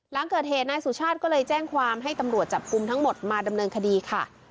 หลังเกิดเหตุนายสุชาติก็เลยแจ้งความให้ตำรวจจับกลุ่มทั้งหมดมาดำเนินคดีค่ะ